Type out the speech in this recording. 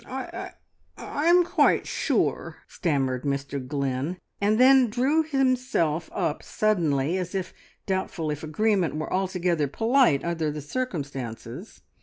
"I I am quite sure," stammered Mr Glynn, and then drew himself up suddenly, as if doubtful if agreement were altogether polite under the circumstances.